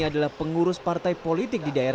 adalah pengurus partai